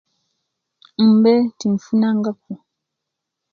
Imbe tinfunangaku